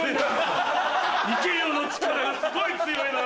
「いけよ」の力がすごい強いな。